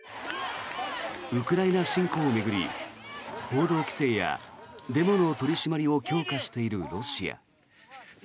ウクライナ侵攻を巡り報道規制やデモの取り締まりを強化しているロシア。